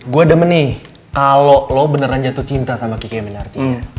gue demenih kalo lo beneran jatuh cinta sama kike minarti